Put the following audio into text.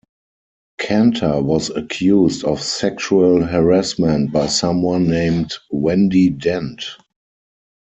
Canter was accused of sexual harassment by someone named Wendy Dent.